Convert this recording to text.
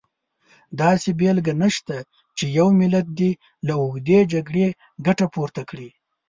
داسې بېلګه نشته چې یو ملت دې له اوږدې جګړې ګټه پورته کړي.